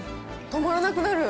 止まらなくなる。